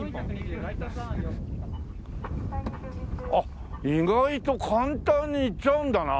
あっ意外と簡単にいっちゃうんだな。